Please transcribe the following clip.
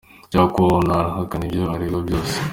Jack Warner arahakana ivyo aregwa vyose.